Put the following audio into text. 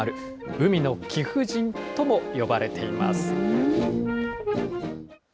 海の貴婦人とも呼ばれています。